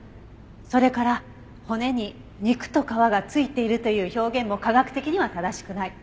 それから「骨に肉と皮がついている」という表現も科学的には正しくない。